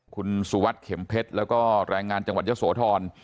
คุณสุวรรษเข่มเพทแล้วก็รายงานจังหวัดเยาตอน